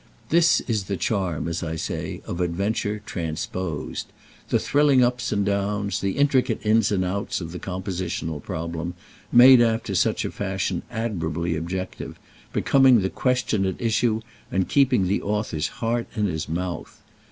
This is the charm, as I say, of adventure transposed—the thrilling ups and downs, the intricate ins and outs of the compositional problem, made after such a fashion admirably objective, becoming the question at issue and keeping the author's heart in his mouth.